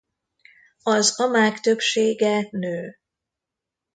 Az amák többsége nő.